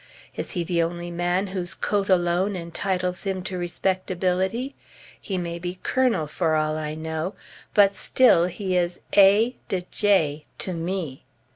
Is he the only man whose coat alone entitles him to respectability? He may be colonel, for all I know; but still, he is A de J to me.